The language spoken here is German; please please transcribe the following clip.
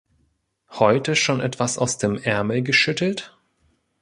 Heute schon etwas aus dem Ärmel geschüttelt?